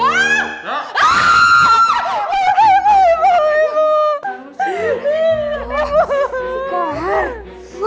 ibu ibu ibu